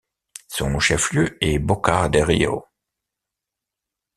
Son chef-lieu est Boca de Río.